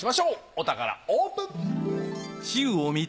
お宝オープン！